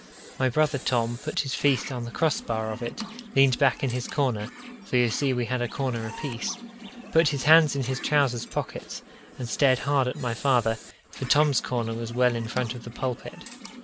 My brother Tom put his feet on the cross bar of it, leaned back in his corner for you see we had a corner apiece put his hands in his trousers pockets, and stared hard at my father for Tom's corner was well in front of the pulpit.